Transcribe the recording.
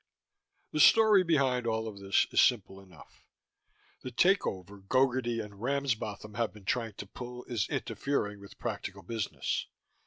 ... The story behind all of this is simple enough. The takeover Gogarty and Ramsbotham have been trying to pull is interfering with practical business.